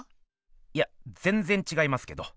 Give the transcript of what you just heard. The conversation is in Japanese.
いやぜんぜんちがいますけど。